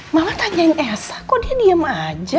mama tanyain elsa kok dia diem aja